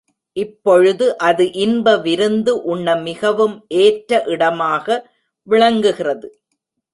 இப்பொழுது அது இன்ப விருந்து உண்ண மிகவும் ஏற்ற இடமாக விளங்குகிறது.